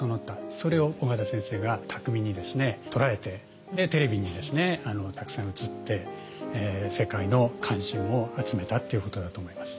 それを緒方先生が巧みに捉えてでテレビにたくさん映って世界の関心を集めたっていうことだと思います。